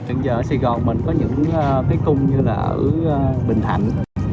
bây giờ ở sài gòn mình có những tí cung như là ở bình thạnh